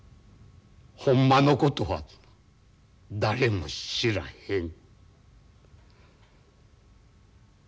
ホンマのことは誰も知らへん。